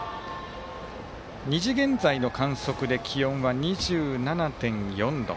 ２時現在の観測で気温は２７．４度。